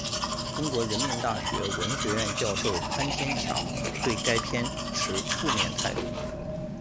中国人民大学文学院教授潘天强对该片持负面态度。